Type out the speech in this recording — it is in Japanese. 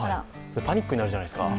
パニックになるじゃないですか。